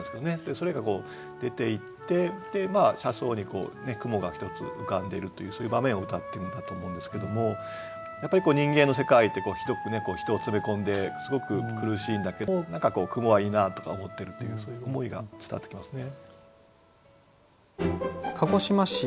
それが出ていって車窓に雲がひとつ浮かんでるというそういう場面をうたってるんだと思うんですけどもやっぱり人間の世界ってひどくね人を詰め込んですごく苦しいんだけども何かこう雲はいいなとか思ってるっていうそういう思いが伝わってきますね。